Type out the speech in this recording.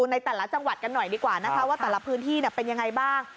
ในแต่ละจังหวัดกันหน่อยดีกว่านะคะว่าแต่ละพื้นที่เป็นยังไงบ้าง